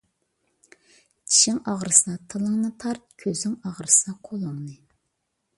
چىشىڭ ئاغرىسا تىلىڭنى تارت، كۆزۈڭ ئاغرىسا قولۇڭنى.